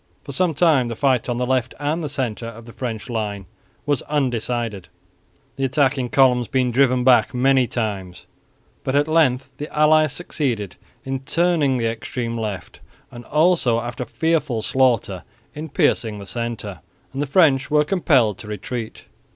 For some time the fight on the left and centre of the French line was undecided, the attacking columns being driven back many times, but at length the allies succeeded in turning the extreme left and also after fearful slaughter in piercing the centre; and the French were compelled to retreat.